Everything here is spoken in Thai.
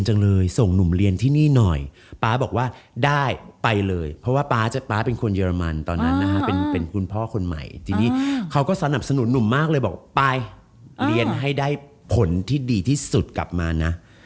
เพราะว่าป๊าเป็นคนเยอรมันตอนนั้นนะครับเป็นคุณพ่อคนใหม่ทีนี้เขาก็สนับสนุกหนุ่มมากเลยบอกไปเรียนให้ได้ผลที่ดีที่สุดกลับมานะ